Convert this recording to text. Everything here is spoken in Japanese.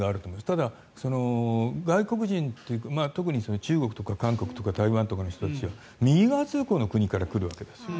ただ、外国人というか、特に中国とか韓国とか台湾の人たちは右側通行の国から来るわけですよ。